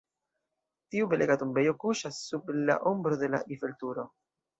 Tiu belega tombejo kuŝas sub la ombro de la Eiffel-Turo.